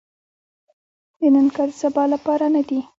د نن کار د سبا لپاره نه دي .